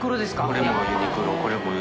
これも「ユニクロ」げ爾